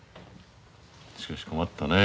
しかし困ったね。